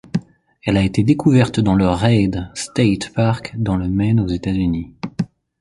Elle a été découverte dans le Reid State Park dans le Maine aux États-Unis.